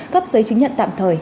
cấp giấy chứng nhận tạm thời